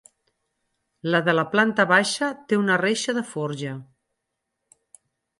La de la planta baixa té una reixa de forja.